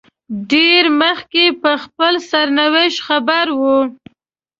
ډېر مخکې په خپل سرنوشت خبر وو.